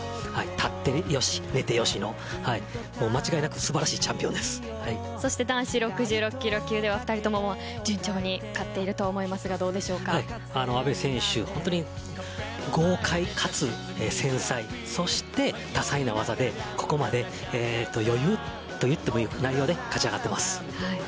立ってよし、寝てよしの間違いなくそして男子６６キロ級では２人とも順調に勝っていると思いますが阿部選手、本当に豪快かつ繊細そして多彩な技でここまで余裕といってもいいくらいの勝ち上がりです。